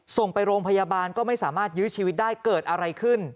ส่งไปโรงพยาบาลก็ไม่สามารถยื้อชีวิตได้เกิดอะไรขึ้น